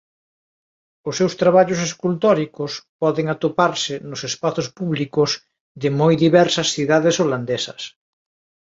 Os seus traballos escultóricos poden atoparse nos espazos públicos de moi diversas cidades holandesas.